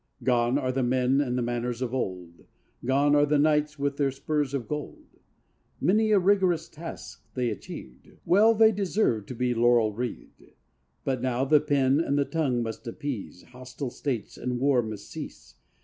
Gone are the men and the manners old, Gone are the knights with their spurs of gold. Many a rigorous task they achieved, Well they deserved to be laurel wreathed. But now the pen and the tongue must appease Hostile states, and war must cease.